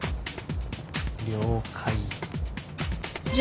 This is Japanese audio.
了解。